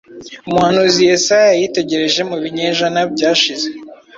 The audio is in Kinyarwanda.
Umuhanuzi Yesaya, yitegereje mu binyejana byashize